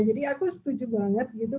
jadi aku setuju banget gitu